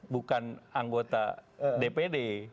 bukan anggota dpd